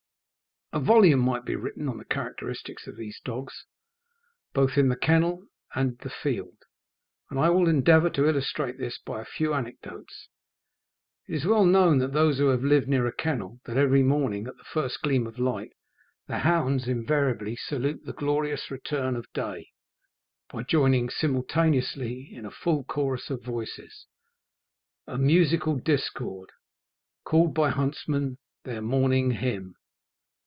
A volume might be written on the characteristics of these dogs, both in the kennel and the field, and I will endeavour to illustrate this by a few anecdotes. It is well known to those who have lived near a kennel, that every morning at the first gleam of light the hounds invariably salute the glorious return of day, by joining simultaneously in a full chorus of voices, 'a musical discord,' called by huntsmen "their morning hymn."